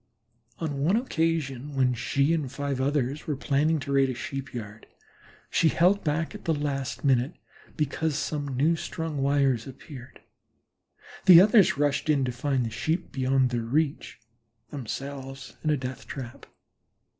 On one occasion, when she and five others were planning to raid a Sheep yard, she held back at the last minute because some newstrung wires appeared. The others rushed in to find the Sheep beyond their reach, themselves in a death trap.